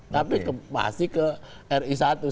tapi pasti ke ri satu